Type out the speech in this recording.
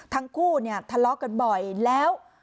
ทั้งคู่ทะเลาะกันบ่อยแล้ว